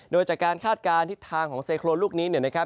โดยจากการคาดการณ์ทิศทางของไซโครนลูกนี้เนี่ยนะครับ